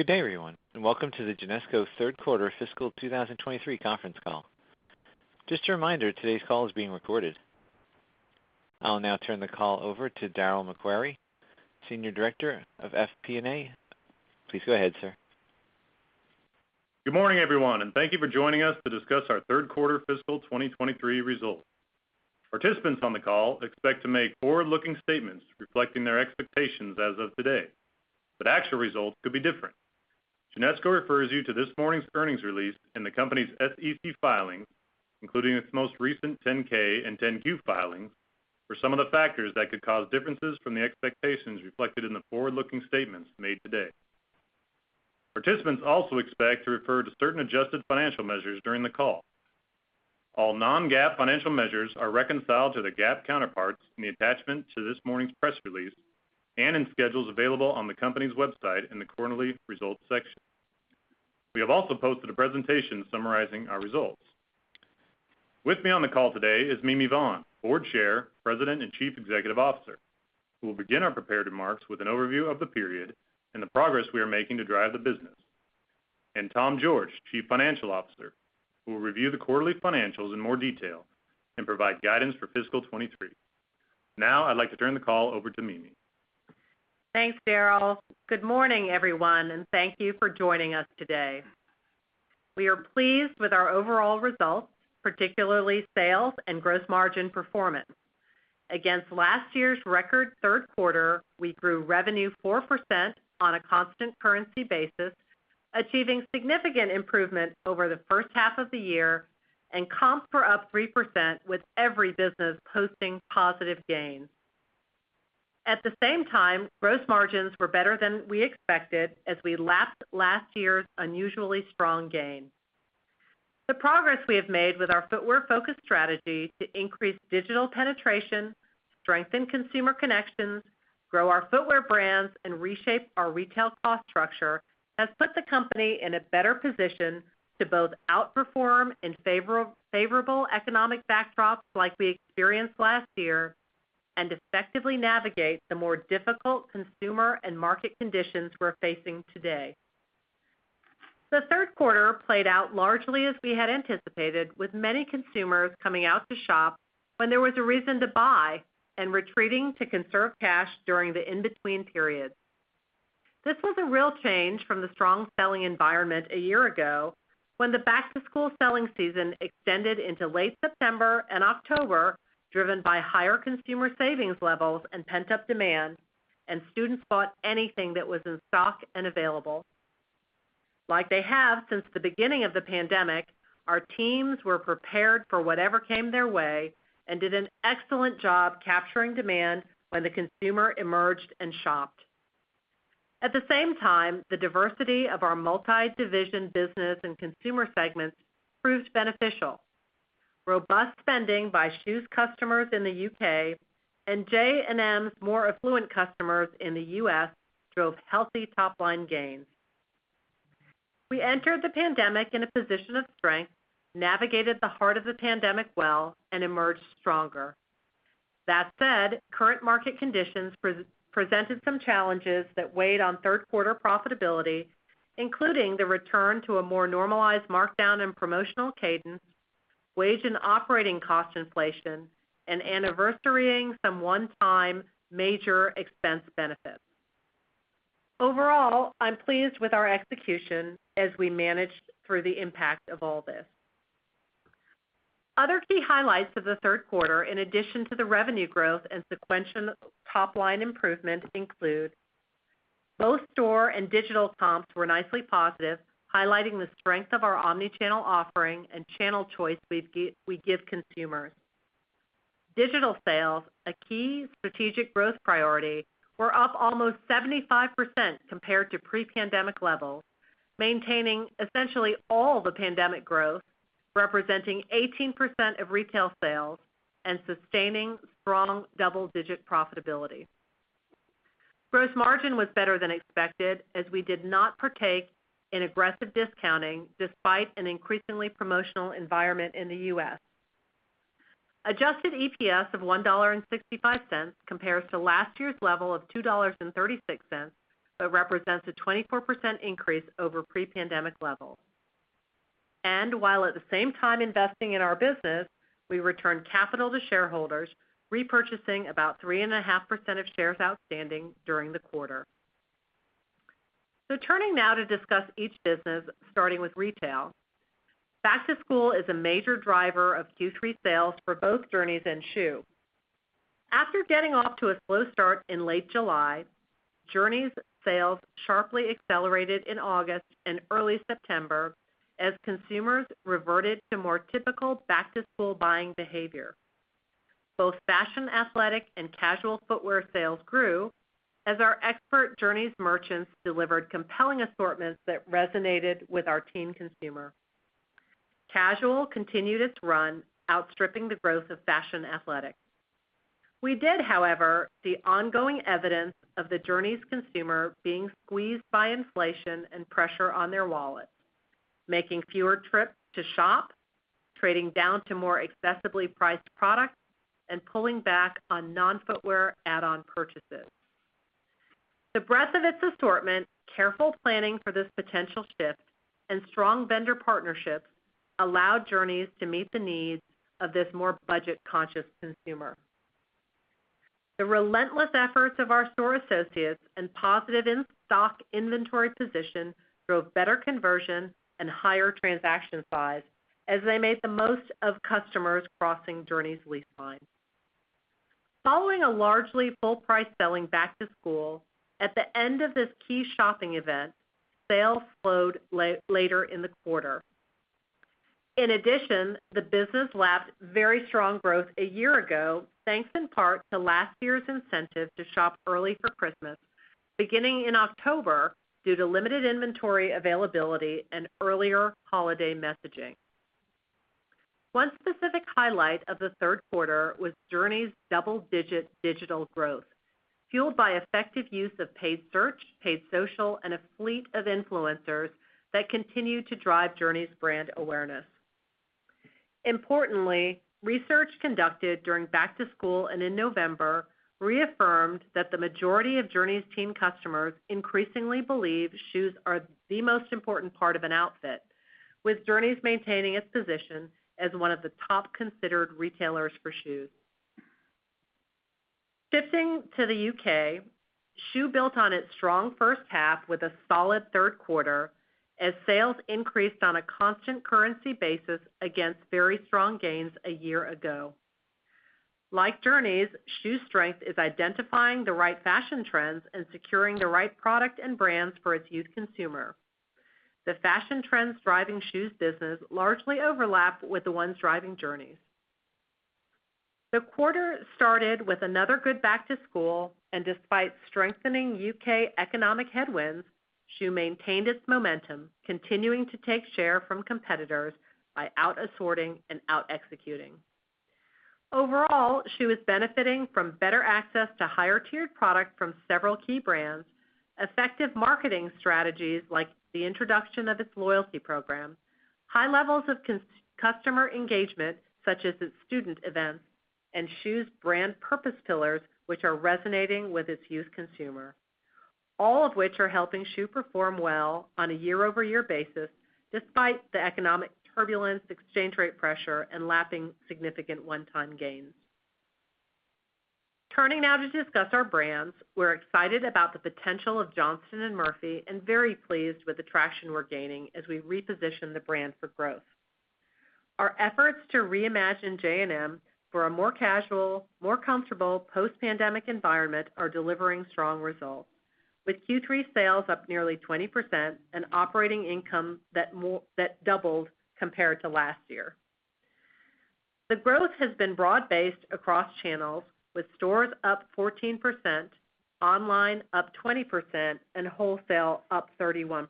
Good day, everyone, welcome to the Genesco third quarter fiscal 2023 conference call. Just a reminder, today's call is being recorded. I'll now turn the call over to Darryl MacQuarrie, Senior Director of FP&A. Please go ahead, sir. Good morning, everyone, and thank you for joining us to discuss our third quarter fiscal 2023 results. Participants on the call expect to make forward-looking statements reflecting their expectations as of today, but actual results could be different. Genesco refers you to this morning's earnings release in the company's SEC filings, including its most recent 10-K and 10-Q filings, for some of the factors that could cause differences from the expectations reflected in the forward-looking statements made today. Participants also expect to refer to certain adjusted financial measures during the call. All non-GAAP financial measures are reconciled to the GAAP counterparts in the attachment to this morning's press release and in schedules available on the company's website in the quarterly results section. We have also posted a presentation summarizing our results. With me on the call today is Mimi Vaughn, board chair, president, and chief executive officer, who will begin our prepared remarks with an overview of the period and the progress we are making to drive the business. Tom George, chief financial officer, who will review the quarterly financials in more detail and provide guidance for fiscal 2023. I'd like to turn the call over to Mimi. Thanks, Daryl. Good morning, everyone, thank you for joining us today. We are pleased with our overall results, particularly sales and gross margin performance. Against last year's record third quarter, we grew revenue 4% on a constant currency basis, achieving significant improvement over the first half of the year, comps were up 3% with every business posting positive gains. At the same time, gross margins were better than we expected as we lapped last year's unusually strong gain. The progress we have made with our footwear-focused strategy to increase digital penetration, strengthen consumer connections, grow our footwear brands, and reshape our retail cost structure has put the company in a better position to both outperform in favorable economic backdrops like we experienced last year and effectively navigate the more difficult consumer and market conditions we're facing today. The third quarter played out largely as we had anticipated, with many consumers coming out to shop when there was a reason to buy and retreating to conserve cash during the in-between periods. This was a real change from the strong selling environment a year ago when the back-to-school selling season extended into late September and October, driven by higher consumer savings levels and pent-up demand, and students bought anything that was in stock and available. Like they have since the beginning of the pandemic, our teams were prepared for whatever came their way and did an excellent job capturing demand when the consumer emerged and shopped. At the same time, the diversity of our multi-division business and consumer segments proved beneficial. Robust spending by Schuh's customers in the U.K. and J&M's more affluent customers in the U.S. drove healthy top-line gains. We entered the pandemic in a position of strength, navigated the heart of the pandemic well, and emerged stronger. Current market conditions presented some challenges that weighed on third quarter profitability, including the return to a more normalized markdown and promotional cadence, wage and operating cost inflation, and anniversaring some one-time major expense benefits. Overall, I'm pleased with our execution as we managed through the impact of all this. Other key highlights of the third quarter, in addition to the revenue growth and sequential top-line improvements, include both store and digital comps were nicely positive, highlighting the strength of our omnichannel offering and channel choice we give consumers. Digital sales, a key strategic growth priority, were up almost 75% compared to pre-pandemic levels, maintaining essentially all the pandemic growth, representing 18% of retail sales and sustaining strong double-digit profitability. Gross margin was better than expected, as we did not partake in aggressive discounting despite an increasingly promotional environment in the U.S. Adjusted EPS of $1.65 compares to last year's level of $2.36, but represents a 24% increase over pre-pandemic levels. While at the same time investing in our business, we returned capital to shareholders, repurchasing about 3.5% of shares outstanding during the quarter. Turning now to discuss each business, starting with retail. Back-to-school is a major driver of Q3 sales for both Journeys and Schuh. After getting off to a slow start in late July, Journeys sales sharply accelerated in August and early September as consumers reverted to more typical back-to-school buying behavior. Both fashion athletic and casual footwear sales grew as our expert Journeys merchants delivered compelling assortments that resonated with our teen consumer. Casual continued its run, outstripping the growth of fashion athletics. We did, however, see ongoing evidence of the Journeys consumer being squeezed by inflation and pressure on their wallets, making fewer trips to shop, trading down to more accessibly priced products and pulling back on non-footwear add-on purchases. The breadth of its assortment, careful planning for this potential shift, and strong vendor partnerships allowed Journeys to meet the needs of this more budget-conscious consumer. The relentless efforts of our store associates and positive in-stock inventory position drove better conversion and higher transaction size as they made the most of customers crossing Journeys lease lines. Following a largely full-price selling back-to-school, at the end of this key shopping event, sales slowed later in the quarter. In addition, the business lapped very strong growth a year ago, thanks in part to last year's incentive to shop early for Christmas, beginning in October due to limited inventory availability and earlier holiday messaging. One specific highlight of the third quarter was Journeys' double-digit digital growth, fueled by effective use of paid search, paid social, and a fleet of influencers that continue to drive Journeys' brand awareness. Importantly, research conducted during back-to-school and in November reaffirmed that the majority of Journeys teen customers increasingly believe shoes are the most important part of an outfit, with Journeys maintaining its position as one of the top considered retailers for shoes. Shifting to the U.K., Schuh built on its strong first half with a solid third quarter as sales increased on a constant currency basis against very strong gains a year ago. Like Journeys, Schuh's strength is identifying the right fashion trends and securing the right product and brands for its youth consumer. The fashion trends driving Schuh's business largely overlap with the ones driving Journeys. The quarter started with another good back-to-school, and despite strengthening U.K. economic headwinds, Schuh maintained its momentum, continuing to take share from competitors by out-assorting and out-executing. Overall, Schuh is benefiting from better access to higher-tiered product from several key brands, effective marketing strategies like the introduction of its loyalty program, high levels of customer engagement such as its student events, and Schuh's brand purpose pillars, which are resonating with its youth consumer, all of which are helping Schuh perform well on a year-over-year basis, despite the economic turbulence, exchange rate pressure, and lapping significant one-time gains. Turning now to discuss our brands, we're excited about the potential of Johnston & Murphy and very pleased with the traction we're gaining as we reposition the brand for growth. Our efforts to reimagine J&M for a more casual, more comfortable post-pandemic environment are delivering strong results, with Q3 sales up nearly 20% and operating income that doubled compared to last year. The growth has been broad-based across channels, with stores up 14%, online up 20%, and wholesale up 31%.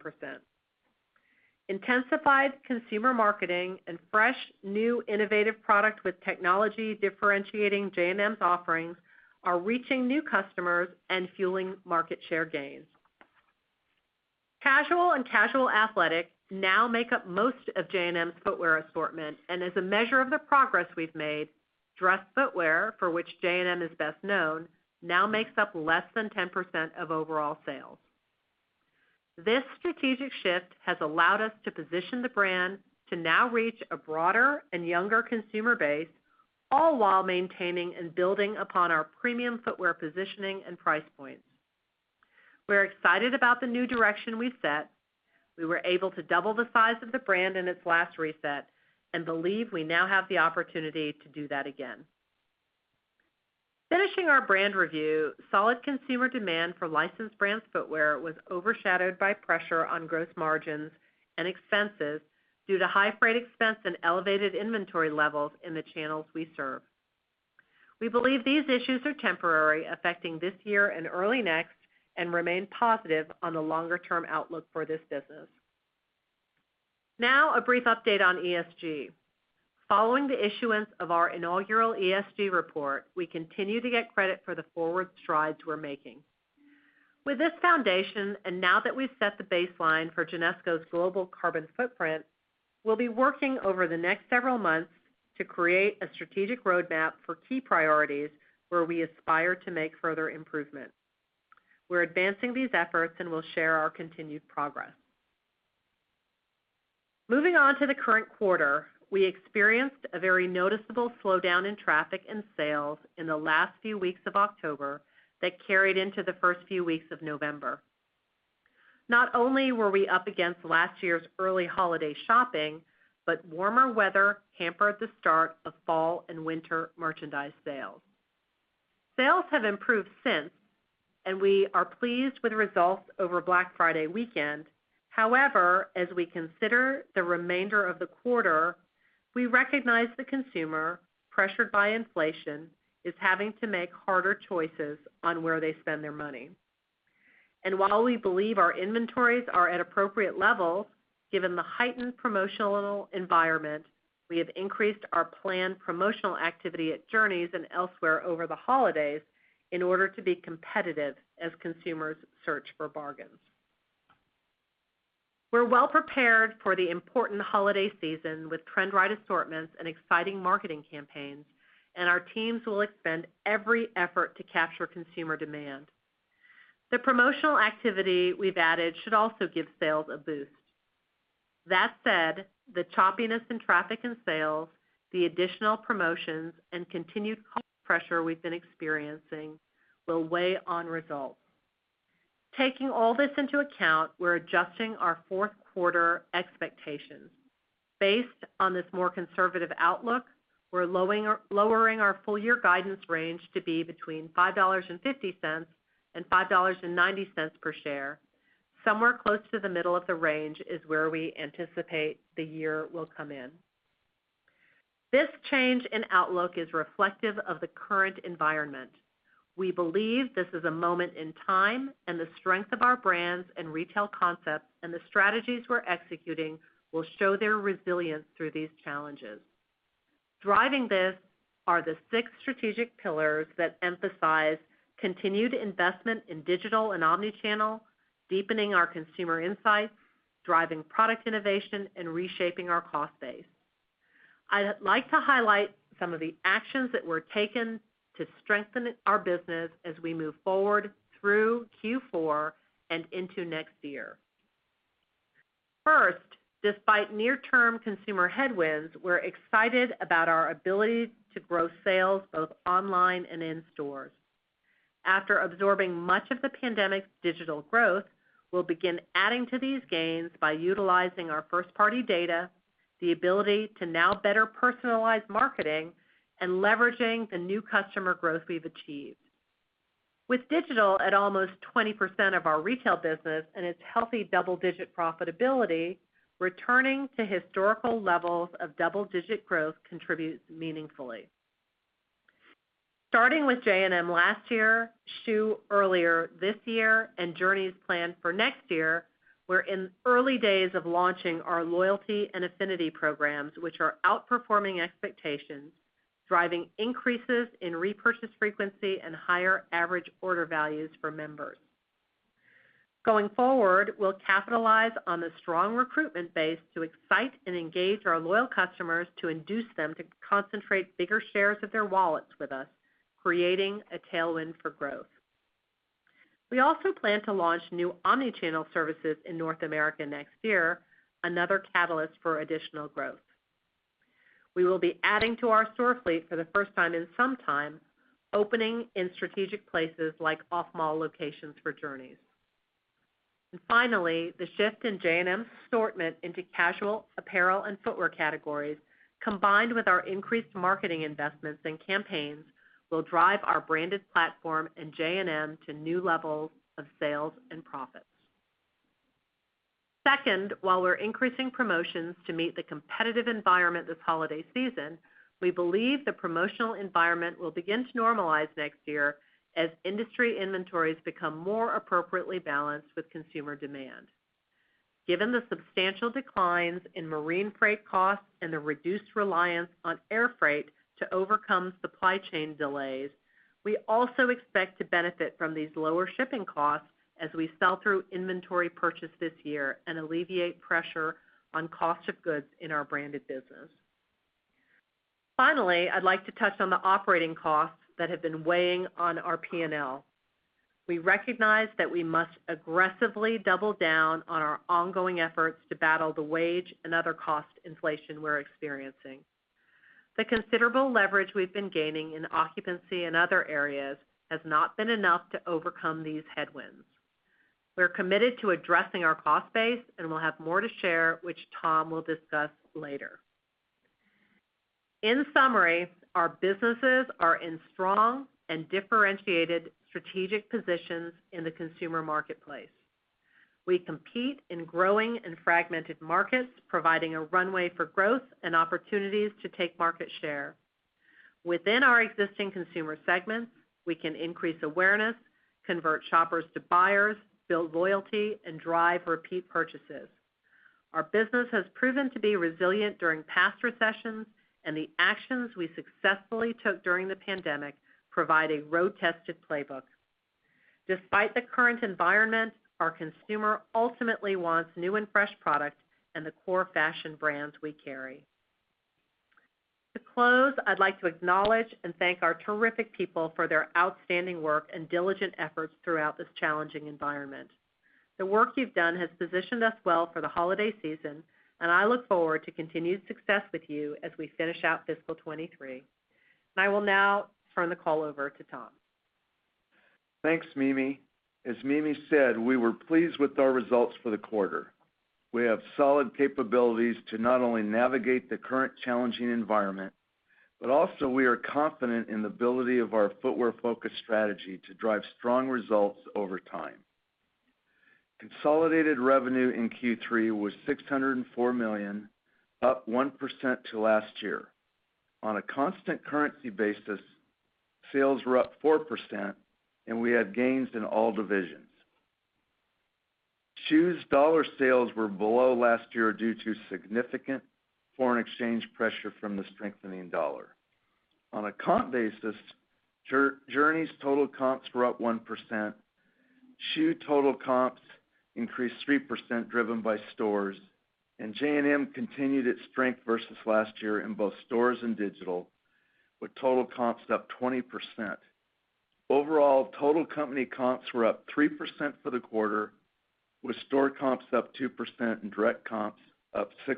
Intensified consumer marketing and fresh, new, innovative product with technology differentiating J&M's offerings are reaching new customers and fueling market share gains. Casual and casual athletic now make up most of J&M's footwear assortment, and as a measure of the progress we've made, dress footwear, for which J&M is best known, now makes up less than 10% of overall sales. This strategic shift has allowed us to position the brand to now reach a broader and younger consumer base, all while maintaining and building upon our premium footwear positioning and price points. We're excited about the new direction we've set. We were able to double the size of the brand in its last reset and believe we now have the opportunity to do that again. Finishing our brand review, solid consumer demand for licensed brands footwear was overshadowed by pressure on gross margins and expenses due to high freight expense and elevated inventory levels in the channels we serve. We believe these issues are temporary, affecting this year and early next, and remain positive on the longer-term outlook for this business. A brief update on ESG. Following the issuance of our inaugural ESG report, we continue to get credit for the forward strides we're making. With this foundation, now that we've set the baseline for Genesco's global carbon footprint, we'll be working over the next several months to create a strategic roadmap for key priorities where we aspire to make further improvements. We're advancing these efforts, we'll share our continued progress. Moving on to the current quarter, we experienced a very noticeable slowdown in traffic and sales in the last few weeks of October that carried into the first few weeks of November. Not only were we up against last year's early holiday shopping, warmer weather hampered the start of fall and winter merchandise sales. Sales have improved since, we are pleased with results over Black Friday weekend. However, as we consider the remainder of the quarter, we recognize the consumer, pressured by inflation, is having to make harder choices on where they spend their money. While we believe our inventories are at appropriate levels, given the heightened promotional environment, we have increased our planned promotional activity at Journeys and elsewhere over the holidays in order to be competitive as consumers search for bargains. We're well-prepared for the important holiday season with trend-right assortments and exciting marketing campaigns, and our teams will expend every effort to capture consumer demand. The promotional activity we've added should also give sales a boost. That said, the choppiness in traffic and sales, the additional promotions, and continued cost pressure we've been experiencing will weigh on results. Taking all this into account, we're adjusting our fourth quarter expectations. Based on this more conservative outlook, we're lowering our full year guidance range to be between $5.50 and $5.90 per share. Somewhere close to the middle of the range is where we anticipate the year will come in. This change in outlook is reflective of the current environment. We believe this is a moment in time, the strength of our brands and retail concepts and the strategies we're executing will show their resilience through these challenges. Driving this are the six strategic pillars that emphasize continued investment in digital and omnichannel, deepening our consumer insights, driving product innovation, and reshaping our cost base. I'd like to highlight some of the actions that we're taking to strengthen our business as we move forward through Q4 and into next year. First, despite near-term consumer headwinds, we're excited about our ability to grow sales both online and in stores. After absorbing much of the pandemic's digital growth, we'll begin adding to these gains by utilizing our first-party data, the ability to now better personalize marketing, and leveraging the new customer growth we've achieved. With digital at almost 20% of our retail business and its healthy double-digit profitability, returning to historical levels of double-digit growth contributes meaningfully. Starting with J&M last year, Schuh earlier this year, and Journeys planned for next year, we're in early days of launching our loyalty and affinity programs, which are outperforming expectations, driving increases in repurchase frequency and higher average order values for members. Going forward, we'll capitalize on the strong recruitment base to excite and engage our loyal customers to induce them to concentrate bigger shares of their wallets with us, creating a tailwind for growth. We also plan to launch new omnichannel services in North America next year, another catalyst for additional growth. We will be adding to our store fleet for the first time in some time, opening in strategic places like off-mall locations for Journeys. Finally, the shift in J&M's assortment into casual apparel and footwear categories, combined with our increased marketing investments and campaigns, will drive our branded platform and J&M to new levels of sales and profits. Second, while we're increasing promotions to meet the competitive environment this holiday season, we believe the promotional environment will begin to normalize next year as industry inventories become more appropriately balanced with consumer demand. Given the substantial declines in marine freight costs and the reduced reliance on air freight to overcome supply chain delays, we also expect to benefit from these lower shipping costs as we sell through inventory purchased this year and alleviate pressure on cost of goods in our branded business. Finally, I'd like to touch on the operating costs that have been weighing on our P&L. We recognize that we must aggressively double down on our ongoing efforts to battle the wage and other cost inflation we're experiencing. The considerable leverage we've been gaining in occupancy and other areas has not been enough to overcome these headwinds. We're committed to addressing our cost base, and we'll have more to share, which Tom will discuss later. In summary, our businesses are in strong and differentiated strategic positions in the consumer marketplace. We compete in growing and fragmented markets, providing a runway for growth and opportunities to take market share. Within our existing consumer segments, we can increase awareness, convert shoppers to buyers, build loyalty, and drive repeat purchases. Our business has proven to be resilient during past recessions, and the actions we successfully took during the pandemic provide a road-tested playbook. Despite the current environment, our consumer ultimately wants new and fresh product and the core fashion brands we carry. To close, I'd like to acknowledge and thank our terrific people for their outstanding work and diligent efforts throughout this challenging environment. The work you've done has positioned us well for the holiday season, and I look forward to continued success with you as we finish out fiscal 2023. I will now turn the call over to Tom. Thanks, Mimi. As Mimi said, we were pleased with our results for the quarter. We have solid capabilities to not only navigate the current challenging environment, but also we are confident in the ability of our footwear-focused strategy to drive strong results over time. Consolidated revenue in Q3 was $604 million, up 1% to last year. On a constant currency basis, sales were up 4%, and we had gains in all divisions. Schuh's dollar sales were below last year due to significant foreign exchange pressure from the strengthening dollar. On a comp basis, Journeys total comps were up 1%. Schuh total comps increased 3% driven by stores. J&M continued its strength versus last year in both stores and digital, with total comps up 20%. Overall, total company comps were up 3% for the quarter, with store comps up 2% and direct comps up 6%.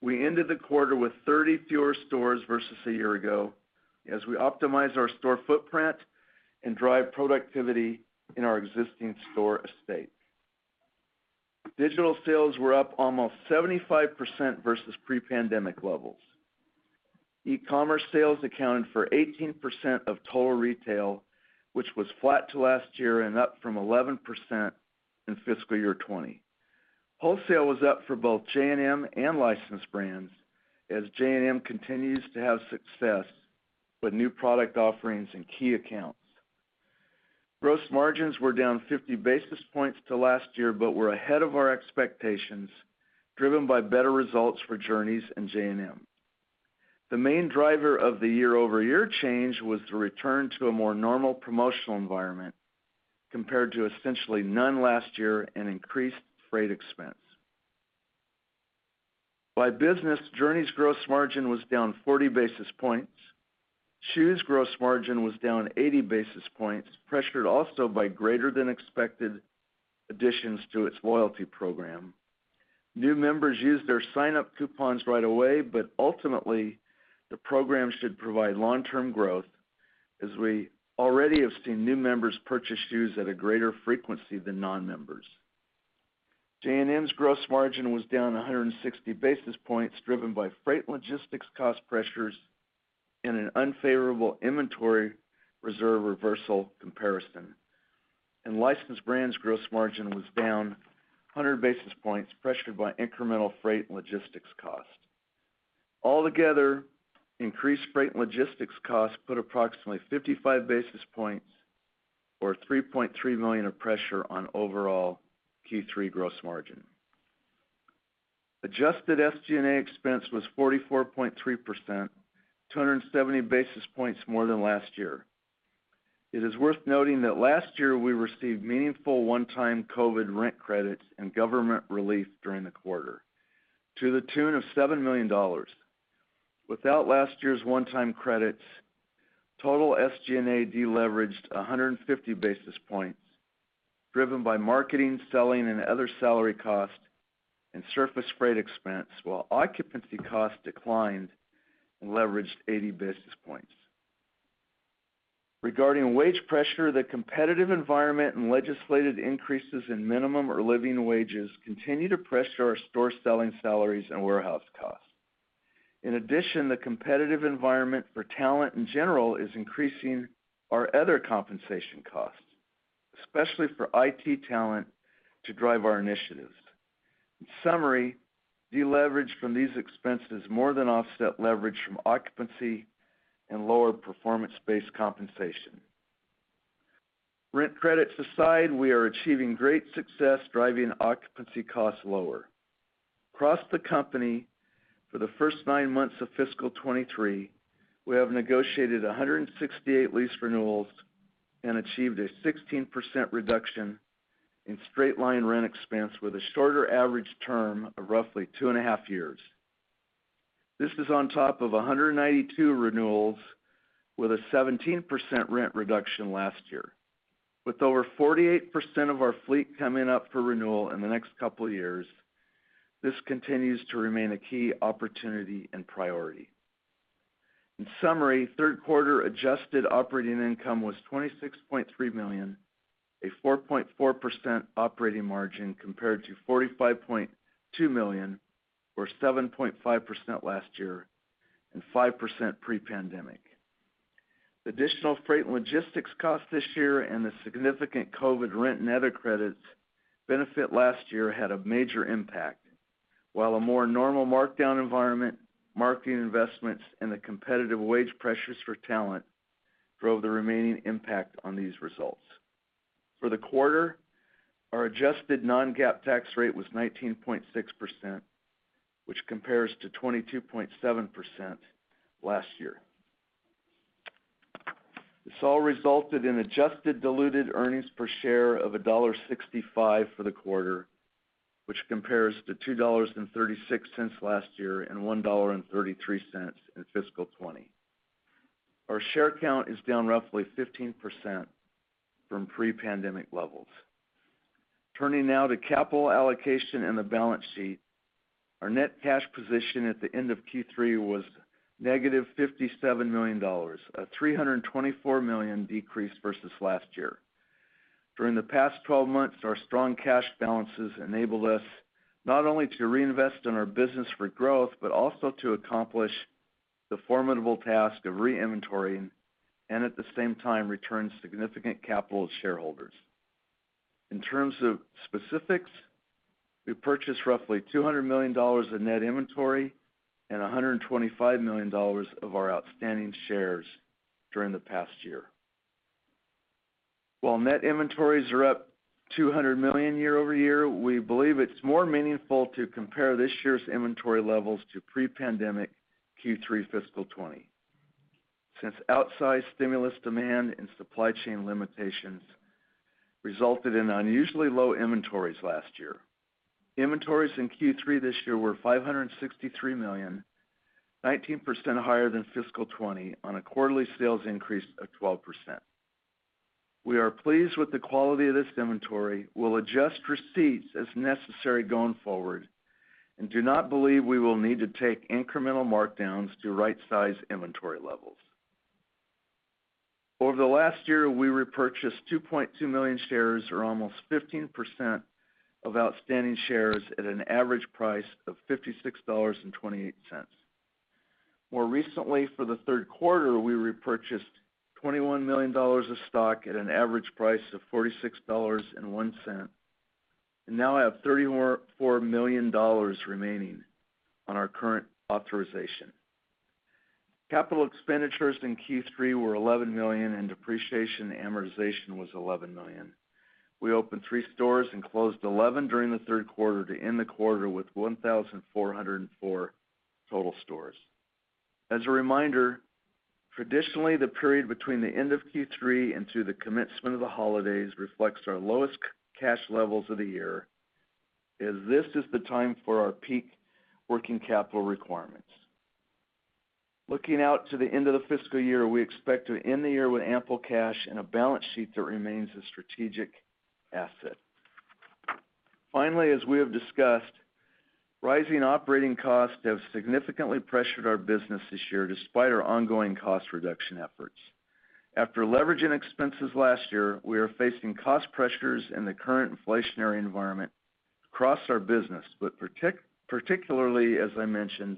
We ended the quarter with 30 fewer stores versus a year ago as we optimize our store footprint and drive productivity in our existing store estate. Digital sales were up almost 75% versus pre-pandemic levels. E-commerce sales accounted for 18% of total retail, which was flat to last year and up from 11% in fiscal year 2020. Wholesale was up for both J&M and licensed brands as J&M continues to have success with new product offerings and key accounts. Gross margins were down 50 basis points to last year, but were ahead of our expectations, driven by better results for Journeys and J&M. The main driver of the year-over-year change was the return to a more normal promotional environment compared to essentially none last year and increased freight expense. By business, Journeys gross margin was down 40 basis points. Schuh gross margin was down 80 basis points, pressured also by greater than expected additions to its loyalty program. New members used their sign-up coupons right away, but ultimately, the program should provide long-term growth as we already have seen new members purchase shoes at a greater frequency than non-members. J&M's gross margin was down 160 basis points, driven by freight logistics cost pressures and an unfavorable inventory reserve reversal comparison. Licensed brands gross margin was down 100 basis points, pressured by incremental freight and logistics costs. Altogether, increased freight and logistics costs put approximately 55 basis points or $3.3 million of pressure on overall Q3 gross margin. Adjusted SG&A expense was 44.3%, 270 basis points more than last year. It is worth noting that last year we received meaningful one-time COVID rent credits and government relief during the quarter to the tune of $7 million. Without last year's one-time credits, total SG&A deleveraged 150 basis points, driven by marketing, selling, and other salary costs and surface freight expense, while occupancy costs declined and leveraged 80 basis points. Regarding wage pressure, the competitive environment and legislated increases in minimum or living wages continue to pressure our store selling salaries and warehouse costs. The competitive environment for talent in general is increasing our other compensation costs, especially for IT talent to drive our initiatives. Deleverage from these expenses more than offset leverage from occupancy and lower performance-based compensation. Rent credits aside, we are achieving great success driving occupancy costs lower. Across the company for the first nine months of fiscal 2023, we have negotiated 168 lease renewals and achieved a 16% reduction in straight line rent expense with a shorter average term of roughly two and a half years. This is on top of 192 renewals with a 17% rent reduction last year. With over 48% of our fleet coming up for renewal in the next couple of years, this continues to remain a key opportunity and priority. In summary, third quarter adjusted operating income was $26.3 million, a 4.4% operating margin compared to $45.2 million or 7.5% last year and 5% pre-pandemic. Additional freight and logistics costs this year and the significant COVID rent and other credits benefit last year had a major impact, while a more normal markdown environment, marketing investments, and the competitive wage pressures for talent drove the remaining impact on these results. For the quarter, our adjusted non-GAAP tax rate was 19.6%, which compares to 22.7% last year. This all resulted in adjusted diluted earnings per share of $1.65 for the quarter, which compares to $2.36 last year and $1.33 in fiscal 2020. Our share count is down roughly 15% from pre-pandemic levels. Turning now to capital allocation and the balance sheet. Our net cash position at the end of Q3 was negative $57 million, a $324 million decrease versus last year. During the past 12 months, our strong cash balances enabled us not only to reinvest in our business for growth, but also to accomplish the formidable task of re-inventorying and at the same time return significant capital to shareholders. In terms of specifics, we purchased roughly $200 million in net inventory and $125 million of our outstanding shares during the past year. While net inventories are up $200 million year-over-year, we believe it's more meaningful to compare this year's inventory levels to pre-pandemic Q3 fiscal 2020. Since outsized stimulus demand and supply chain limitations resulted in unusually low inventories last year. Inventories in Q3 this year were $563 million, 19% higher than fiscal 2020 on a quarterly sales increase of 12%. We are pleased with the quality of this inventory. We'll adjust receipts as necessary going forward and do not believe we will need to take incremental markdowns to right-size inventory levels. Over the last year, we repurchased 2.2 million shares, or almost 15% of outstanding shares at an average price of $56.28. More recently, for the third quarter, we repurchased $21 million of stock at an average price of $46.01. Now have $4 million remaining on our current authorization. Capital expenditures in Q3 were $11 million. Depreciation and amortization was $11 million. We opened three stores and closed 11 during the third quarter to end the quarter with 1,404 total stores. As a reminder, traditionally, the period between the end of Q3 and to the commencement of the holidays reflects our lowest cash levels of the year as this is the time for our peak working capital requirements. Looking out to the end of the fiscal year, we expect to end the year with ample cash and a balance sheet that remains a strategic asset. As we have discussed, rising operating costs have significantly pressured our business this year despite our ongoing cost reduction efforts. After leveraging expenses last year, we are facing cost pressures in the current inflationary environment across our business, but particularly, as I mentioned,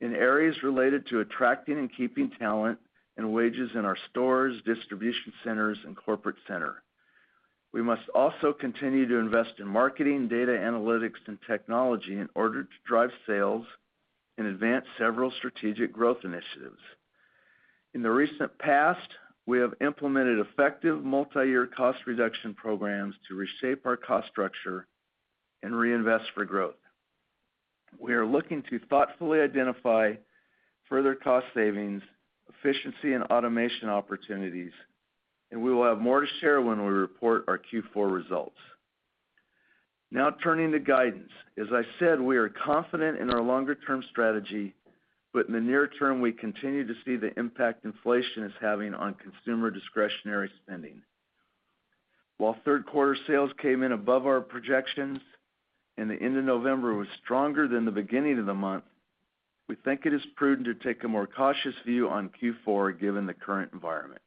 in areas related to attracting and keeping talent and wages in our stores, distribution centers and corporate center. We must also continue to invest in marketing, data analytics and technology in order to drive sales and advance several strategic growth initiatives. In the recent past, we have implemented effective multi-year cost reduction programs to reshape our cost structure and reinvest for growth. We are looking to thoughtfully identify further cost savings, efficiency and automation opportunities. We will have more to share when we report our Q4 results. Turning to guidance. As I said, we are confident in our longer term strategy, in the near term we continue to see the impact inflation is having on consumer discretionary spending. While third quarter sales came in above our projections and the end of November was stronger than the beginning of the month, we think it is prudent to take a more cautious view on Q4 given the current environment.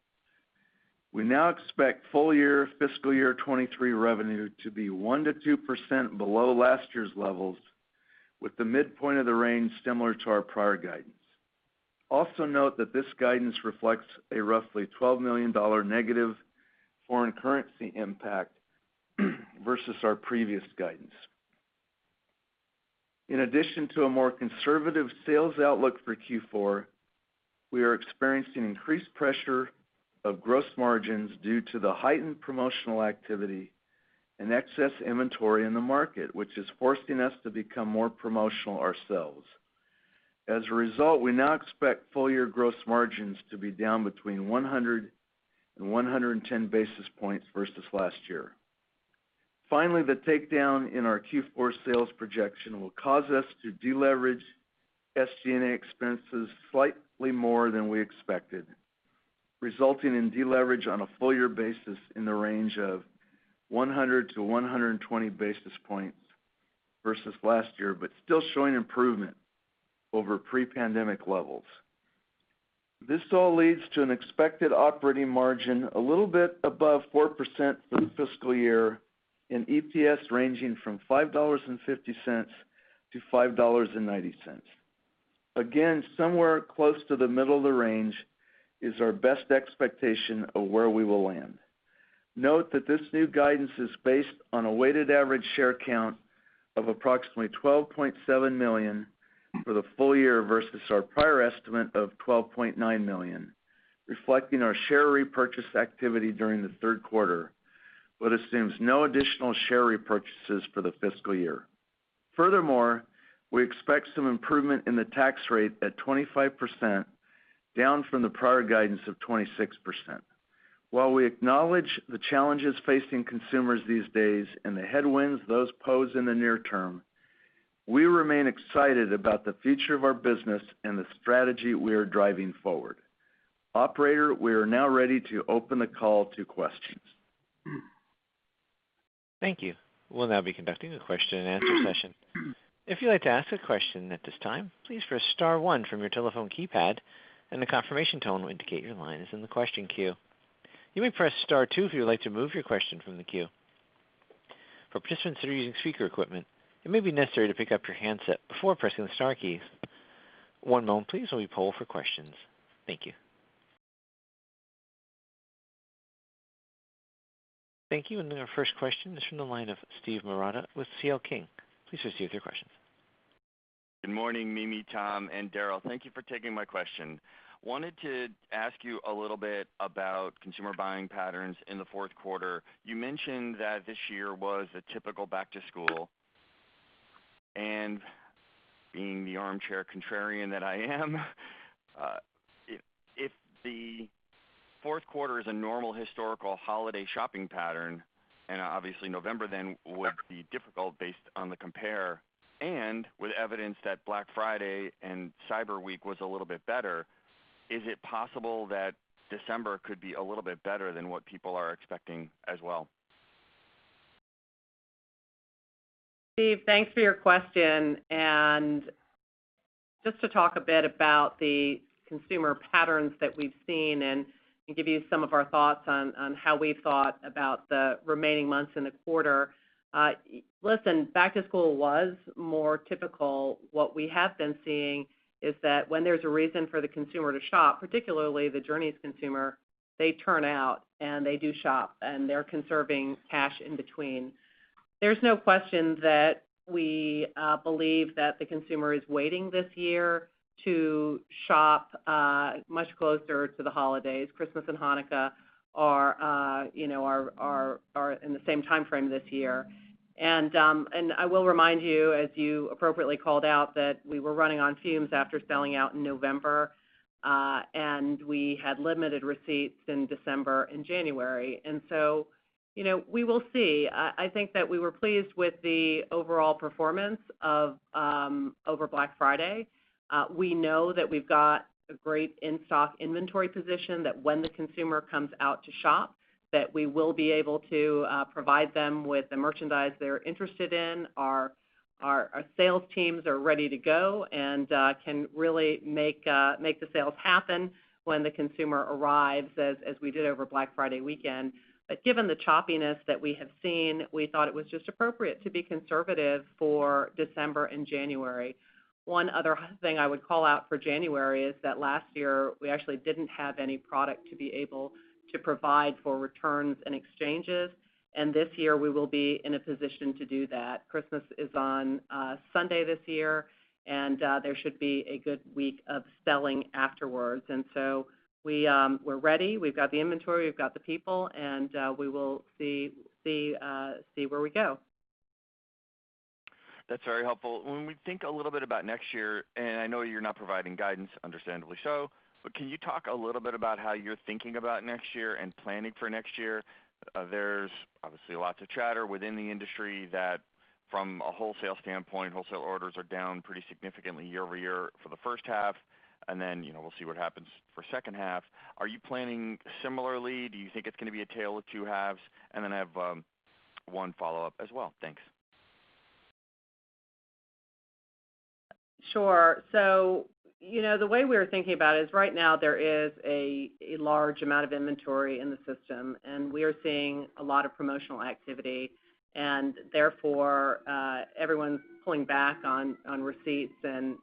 We now expect full year fiscal year 2023 revenue to be 1%-2% below last year's levels, with the midpoint of the range similar to our prior guidance. Note that this guidance reflects a roughly $12 million negative foreign currency impact versus our previous guidance. In addition to a more conservative sales outlook for Q4, we are experiencing increased pressure of gross margins due to the heightened promotional activity and excess inventory in the market, which is forcing us to become more promotional ourselves. We now expect full year gross margins to be down between 100 and 110 basis points versus last year. The takedown in our Q4 sales projection will cause us to deleverage SG&A expenses slightly more than we expected, resulting in deleverage on a full year basis in the range of 100-120 basis points versus last year, but still showing improvement over pre-pandemic levels. This all leads to an expected operating margin a little bit above 4% for the fiscal year and EPS ranging from $5.50-$5.90. Somewhere close to the middle of the range is our best expectation of where we will land. Note that this new guidance is based on a weighted average share count of approximately 12.7 million for the full year versus our prior estimate of 12.9 million, reflecting our share repurchase activity during the third quarter assumes no additional share repurchases for the fiscal year. We expect some improvement in the tax rate at 25%, down from the prior guidance of 26%. While we acknowledge the challenges facing consumers these days and the headwinds those pose in the near term, we remain excited about the future of our business and the strategy we are driving forward. Operator, we are now ready to open the call to questions. Thank you. We'll now be conducting a question and answer session. If you'd like to ask a question at this time, please press star one from your telephone keypad and the confirmation tone will indicate your line is in the question queue. You may press Star two if you would like to move your question from the queue. For participants that are using speaker equipment, it may be necessary to pick up your handset before pressing the star keys. One moment please, while we poll for questions. Thank you. Thank you. Our first question is from the line of Steve Marotta with C.L. King. Please proceed with your questions. Good morning, Mimi, Tom, and Darryl. Thank you for taking my question. Wanted to ask you a little bit about consumer buying patterns in the fourth quarter. You mentioned that this year was a typical back to school. Being the armchair contrarian that I am, if the fourth quarter is a normal historical holiday shopping pattern, obviously November then would be difficult based on the compare, with evidence that Black Friday and Cyber Week was a little bit better, is it possible that December could be a little bit better than what people are expecting as well? Steve, thanks for your question. Just to talk a bit about the consumer patterns that we've seen and give you some of our thoughts on how we thought about the remaining months in the quarter. Listen, back to school was more typical. What we have been seeing is that when there's a reason for the consumer to shop, particularly the Journeys consumer, they turn out, and they do shop, and they're conserving cash in between. There's no question that we believe that the consumer is waiting this year to shop much closer to the holidays. Christmas and Hanukkah are, you know, are in the same timeframe this year. I will remind you, as you appropriately called out, that we were running on fumes after selling out in November. We had limited receipts in December and January. You know, we will see. I think that we were pleased with the overall performance of over Black Friday. We know that we've got a great in-stock inventory position that when the consumer comes out to shop, that we will be able to provide them with the merchandise they're interested in. Our sales teams are ready to go and can really make the sales happen when the consumer arrives, as we did over Black Friday weekend. Given the choppiness that we have seen, we thought it was just appropriate to be conservative for December and January. One other thing I would call out for January is that last year, we actually didn't have any product to be able to provide for returns and exchanges, and this year we will be in a position to do that. Christmas is on Sunday this year, and there should be a good week of selling afterwards. We're ready. We've got the inventory, we've got the people, and we will see where we go. That's very helpful. When we think a little bit about next year, and I know you're not providing guidance, understandably so, but can you talk a little bit about how you're thinking about next year and planning for next year? There's obviously lots of chatter within the industry that from a wholesale standpoint, wholesale orders are down pretty significantly year-over-year for the first half, and then, you know, we'll see what happens for second half. Are you planning similarly? Do you think it's gonna be a tale of two halves? I have one follow-up as well. Thanks. Sure. You know, the way we're thinking about it is right now there is a large amount of inventory in the system, we are seeing a lot of promotional activity, and therefore, everyone's pulling back on receipts and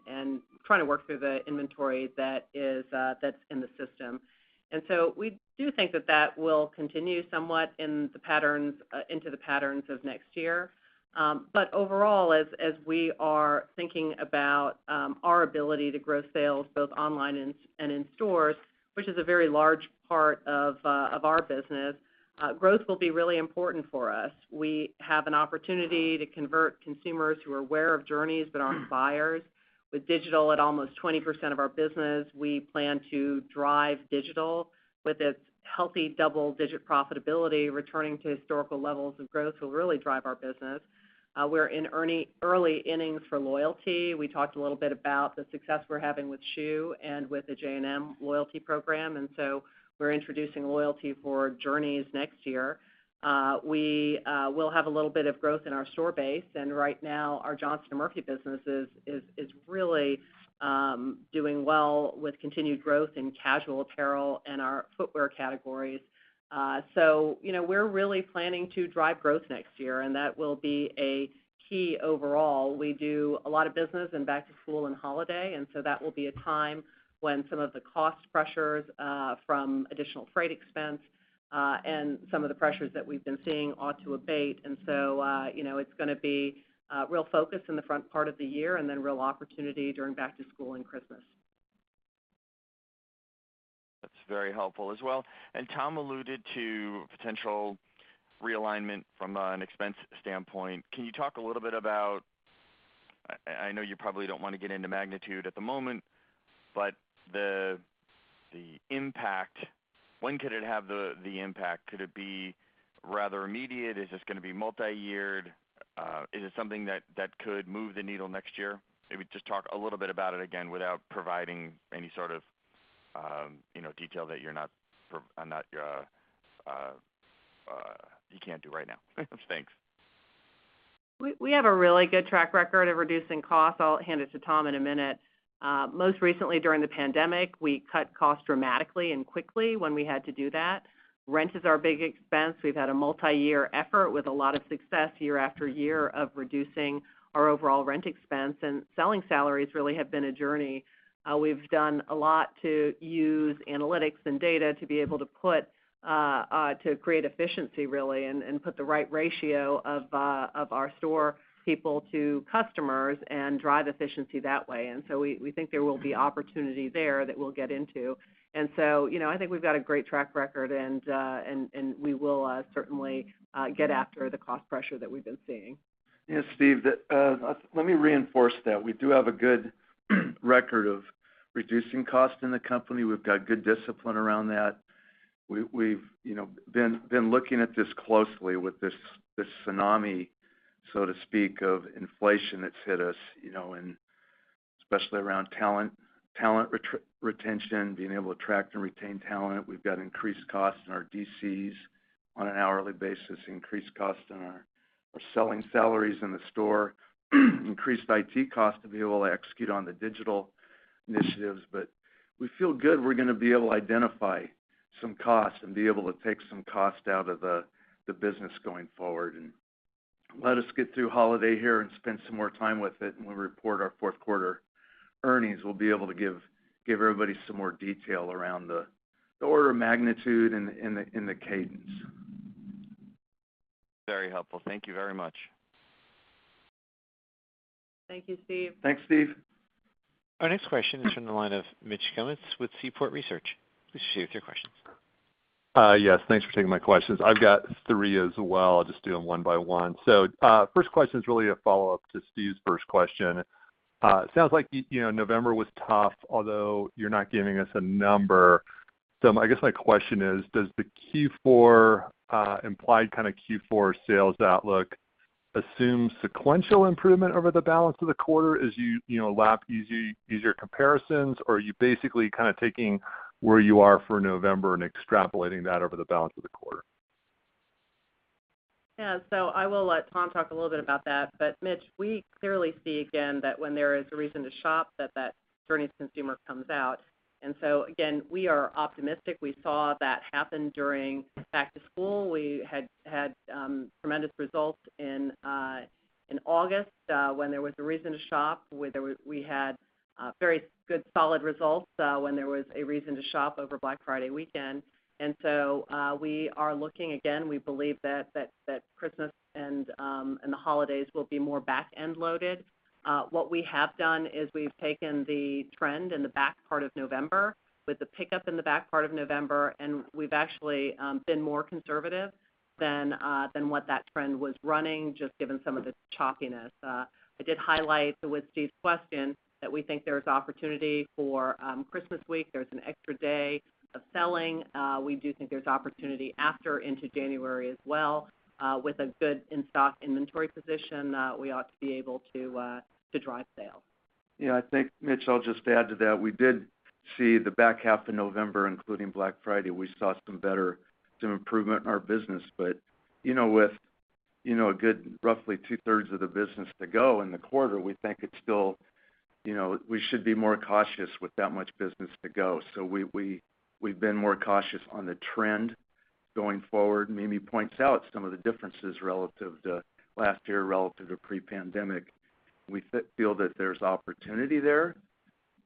trying to work through the inventory that is that's in the system. We do think that that will continue somewhat in the patterns into the patterns of next year. Overall, as we are thinking about our ability to grow sales both online and in stores, which is a very large part of our business, growth will be really important for us. We have an opportunity to convert consumers who are aware of Journeys but aren't buyers. With digital at almost 20% of our business, we plan to drive digital. With its healthy double-digit profitability, returning to historical levels of growth will really drive our business. We're in early innings for loyalty. We talked a little bit about the success we're having with Schuh and with the J&M loyalty program. We're introducing loyalty for Journeys next year. We will have a little bit of growth in our store base, and right now, our Johnston & Murphy business is really doing well with continued growth in casual apparel and our footwear categories. You know, we're really planning to drive growth next year, and that will be a key overall. We do a lot of business in back to school and holiday, and so that will be a time when some of the cost pressures, from additional freight expense, and some of the pressures that we've been seeing ought to abate. You know, it's gonna be a real focus in the front part of the year and then real opportunity during back to school and Christmas. That's very helpful as well. Tom alluded to potential realignment from an expense standpoint. Can you talk a little bit about, I know you probably don't wanna get into magnitude at the moment, but the impact? When could it have the impact? Could it be rather immediate? Is this gonna be multi-year? Is it something that could move the needle next year? Maybe just talk a little bit about it again without providing any sort of, you know, detail that you're not, you can't do right now. Thanks. We have a really good track record of reducing costs. I'll hand it to Tom in a minute. Most recently during the pandemic, we cut costs dramatically and quickly when we had to do that. Rent is our big expense. We've had a multi-year effort with a lot of success year after year of reducing our overall rent expense, and selling salaries really have been a Journeys. We've done a lot to use analytics and data to be able to put to create efficiency really and put the right ratio of our store people to customers and drive efficiency that way. We think there will be opportunity there that we'll get into. You know, I think we've got a great track record, and we will certainly get after the cost pressure that we've been seeing. Steve, let me reinforce that. We do have a good record of reducing costs in the company. We've got good discipline around that. We've, you know, been looking at this tsunami, so to speak, of inflation that's hit us, you know, and especially around talent retention, being able to attract and retain talent. We've got increased costs in our DCs on an hourly basis, increased costs in our selling salaries in the store. Increased IT costs to be able to execute on the digital initiatives. We feel good we're gonna be able to identify some costs and be able to take some cost out of the business going forward. Let us get through holiday here and spend some more time with it, and when we report our fourth quarter earnings, we'll be able to give everybody some more detail around the order of magnitude and the cadence. Very helpful. Thank you very much. Thank you, Steve. Thanks, Steve. Our next question is from the line of Mitch with Seaport Research. Please proceed with your questions. Yes, thanks for taking my questions. I've got three as well. I'll just do them one by one. First question is really a follow-up to Steve's first question. It sounds like November was tough, although you're not giving us a number. I guess my question is, does the Q4 implied kinda Q4 sales outlook assume sequential improvement over the balance of the quarter as you lap easier comparisons, or are you basically kinda taking where you are for November and extrapolating that over the balance of the quarter? I will let Tom talk a little bit about that. Mitch, we clearly see again that when there is a reason to shop, that that Journeys consumer comes out. Again, we are optimistic. We saw that happen during back to school. We had tremendous results in August when there was a reason to shop. We had very good solid results when there was a reason to shop over Black Friday weekend. We are looking again. We believe that Christmas and the holidays will be more back-end loaded. What we have done is we've taken the trend in the back part of November with the pickup in the back part of November, and we've actually been more conservative than what that trend was running, just given some of the chalkiness. I did highlight with Steve's question that we think there's opportunity for Christmas week. There's an extra day of selling. We do think there's opportunity after into January as well. With a good in-stock inventory position, we ought to be able to drive sales. Yeah, I think, Mitch, I'll just add to that. We did see the back half of November, including Black Friday, we saw some improvement in our business. You know, with, you know, a good roughly 2/3 of the business to go in the quarter, we think it's still, you know, we should be more cautious with that much business to go. We've been more cautious on the trend going forward. Mimi points out some of the differences relative to last year, relative to pre-pandemic. We feel that there's opportunity there,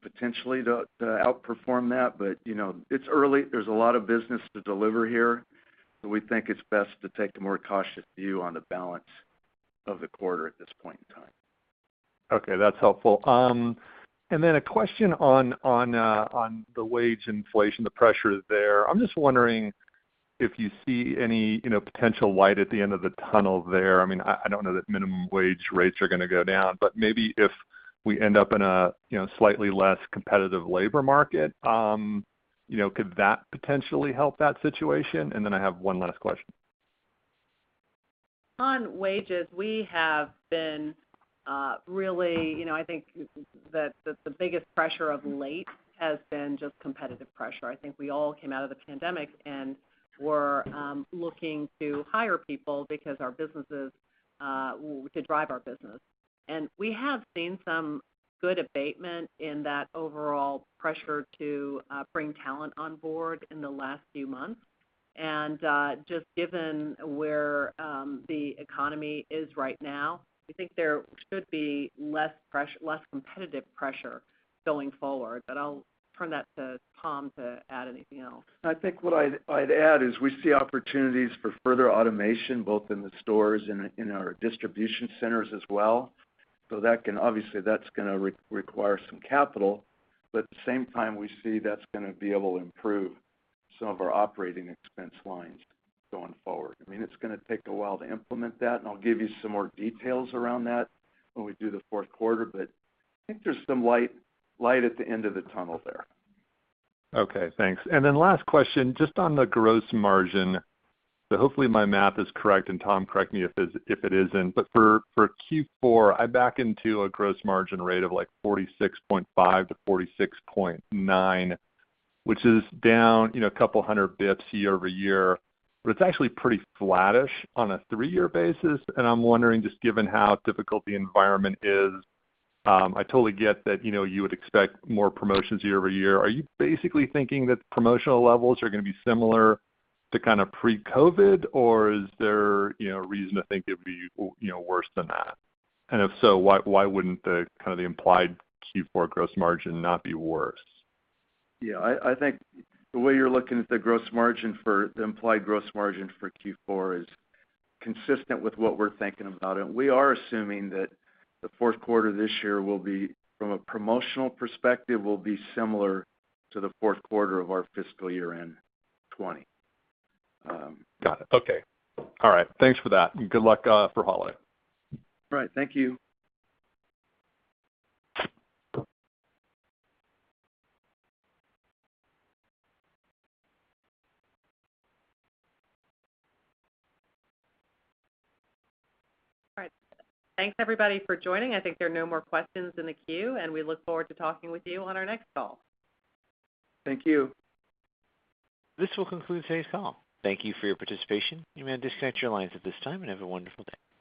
potentially to outperform that. You know, it's early. There's a lot of business to deliver here, but we think it's best to take the more cautious view on the balance of the quarter at this point in time. Okay, that's helpful. A question on the wage inflation, the pressure there. I'm just wondering if you see any, you know, potential light at the end of the tunnel there. I mean, I don't know that minimum wage rates are gonna go down, but maybe if we end up in a, you know, slightly less competitive labor market, you know, could that potentially help that situation? I have one last question. On wages, we have been, really, you know, I think the, the biggest pressure of late has been just competitive pressure. I think we all came out of the pandemic and we're looking to hire people because our businesses to drive our business. We have seen some good abatement in that overall pressure to bring talent on board in the last few months. Just given where the economy is right now, we think there should be less competitive pressure going forward. I'll turn that to Tom to add anything else. I think what I'd add is we see opportunities for further automation, both in the stores and in our Distribution Centers as well. Obviously, that's going to re-require some capital, at the same time, we see that's going to be able to improve some of our operating expense lines going forward. I mean, it's going to take a while to implement that, I'll give you some more details around that when we do the fourth quarter. I think there's some light at the end of the tunnel there. Last question, just on the gross margin. Hopefully my math is correct, and Tom, correct me if it isn't. For Q4, I back into a gross margin rate of like 46.5%-46.9%, which is down, you know, a couple hundred BPS year-over-year. It's actually pretty flattish on a three-year basis, and I'm wondering, just given how difficult the environment is, I totally get that, you know, you would expect more promotions year-over-year. Are you basically thinking that promotional levels are gonna be similar to kind of pre-COVID, or is there, you know, a reason to think it would be, you know, worse than that? If so, why wouldn't the kind of the implied Q4 gross margin not be worse? Yeah. I think the way you're looking at the gross margin the implied gross margin for Q4 is consistent with what we're thinking about it. We are assuming that the fourth quarter this year will be, from a promotional perspective, will be similar to the fourth quarter of our fiscal year-end 2020. Got it. Okay. All right. Thanks for that, and good luck for holiday. All right. Thank you. Thanks everybody for joining. I think there are no more questions in the queue, and we look forward to talking with you on our next call. Thank you. This will conclude today's call. Thank you for your participation. You may disconnect your lines at this time, and have a wonderful day.